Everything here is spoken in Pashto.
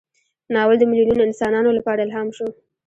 ناول د میلیونونو انسانانو لپاره الهام شو.